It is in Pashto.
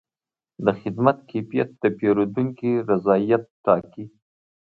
د خدمت کیفیت د پیرودونکي رضایت ټاکي.